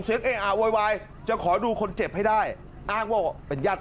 เออะโวยวายจะขอดูคนเจ็บให้ได้อ้างว่าเป็นญาติ